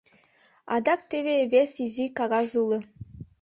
Адак теве вес изи кагаз уло.